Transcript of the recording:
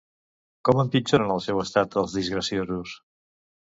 Com empitjoren el seu estat els disgraciosos?